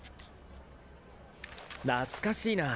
懐かしいな。